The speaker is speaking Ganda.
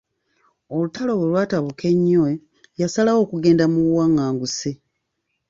Olutalo bwe lwatabuka ennyo, yasalawo okugenda mu buwanganguse.